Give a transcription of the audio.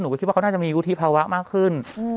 คิดว่าเขาน่าจะมีวุฒิภาวะมากขึ้น